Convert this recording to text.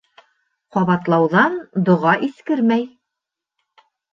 Ҡабатлауҙан доға иҫкермәй.